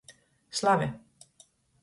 Slave.